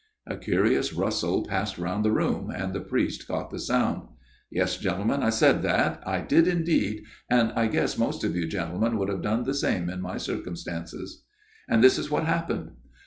" A curious rustle passed round the room, and the priest caught the sound. " Yes, gentlemen, I said that. I did indeed, and FATHER JENKS' TALE 167 I guess most of you gentlemen would have done the same in my circumstances. " And this is what happened.